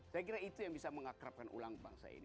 saya kira itu yang bisa mengakrabkan ulang bangsa ini